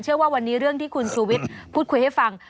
เชื่อว่าวันนี้เรื่องที่คุณชูวิทย์พูดคุยให้ฟัง